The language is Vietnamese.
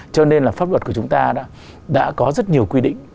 cho nên là pháp luật của chúng ta đã có rất nhiều quy định